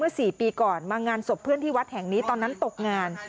๔ปีก่อนมางานศพเพื่อนที่วัดแห่งนี้ตอนนั้นตกงาน